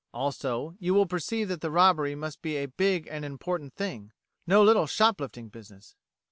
Also, you will perceive that the robbery must be a big and important thing no little shoplifting business.